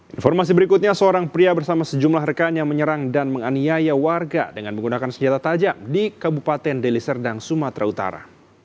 informasi berikutnya seorang pria bersama sejumlah rekannya menyerang dan menganiaya warga dengan menggunakan senjata tajam di kabupaten deliserdang sumatera utara